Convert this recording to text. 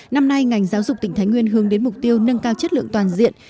năm nay ngành giáo dục tỉnh thái nguyên hướng đến mục tiêu nâng cao chất lượng toàn diện